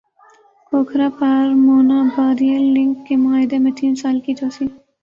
کھوکھرا پار Munabao rail link کے معاہدے میں تین سال کی توسیع